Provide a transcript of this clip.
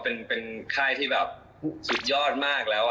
ซึ่งเป็นใครที่สุดยอดมากแล้ว